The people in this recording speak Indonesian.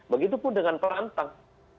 begitu pun dengan perantang